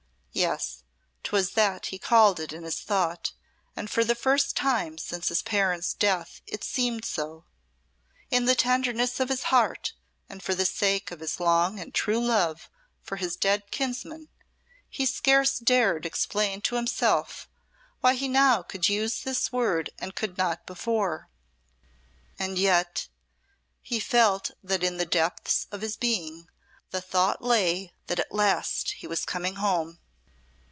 Yes, 'twas that he called it in his thought, and for the first time since his parents' death it seemed so. In the tenderness of his heart and for the sake of his long and true love for his dead kinsman, he scarce dared explain to himself why he now could use this word and could not before and yet, he felt that in the depths of his being the thought lay that at last he was coming home.